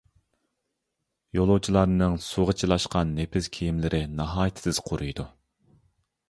يولۇچىلارنىڭ سۇغا چىلاشقان نېپىز كىيىملىرى ناھايىتى تېز قۇرۇيدۇ.